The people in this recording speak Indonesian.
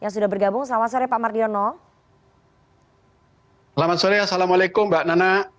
selamat sore bankom via cnn indonesia